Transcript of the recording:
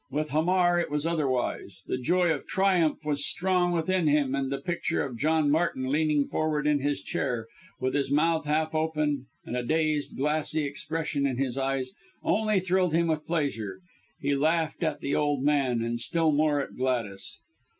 With Hamar it was otherwise the joy of triumph was strong within him, and the picture of John Martin, leaning forward in his chair, with his mouth half open and a dazed, glassy expression in his eyes, only thrilled him with pleasure; he laughed at the old man, and still more at Gladys.